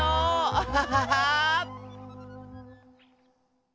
アハハハー！